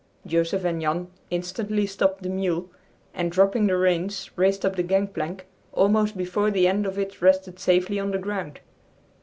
Joseph and Jan instantly stopped the mule and, dropping the reins, raced up the gangplank, almost before the end of it rested safely on the ground.